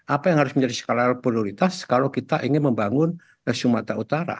apa yang harus menjadi skala prioritas kalau kita ingin membangun sumatera utara